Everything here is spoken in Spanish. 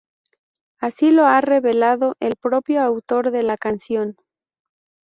Así lo ha revelado el propio autor de la canción.